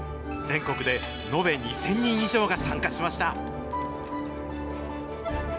全国で延べ２０００人以上が参加しました。